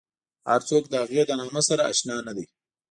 هر څوک د هغې له نامه سره اشنا نه دي.